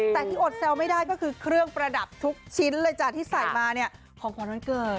แต่ที่อดแซวไม่ได้ก็คือเครื่องประดับทุกชิ้นเลยจ้ะที่ใส่มาเนี่ยของขวัญวันเกิด